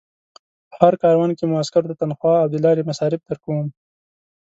په هر کاروان کې مو عسکرو ته تنخوا او د لارې مصارف درکوم.